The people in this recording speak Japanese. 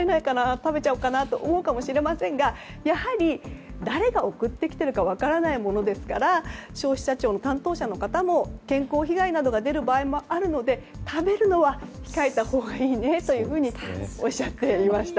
食べちゃおうかなと思うかもしれませんがやはり、誰が送ってきてるか分からないものですから消費者庁の担当者の方も健康被害が出る場合もあるので食べるのは控えたほうがいいとおっしゃっていました。